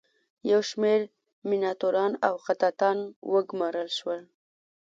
یو شمیر میناتوران او خطاطان وګومارل شول.